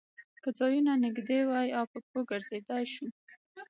که ځایونه نږدې وي او په پښو ګرځېدای شو.